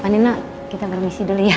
pani nek kita permisi dulu ya